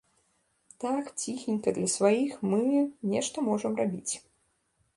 Так, ціхенька, для сваіх, мы нешта можам рабіць.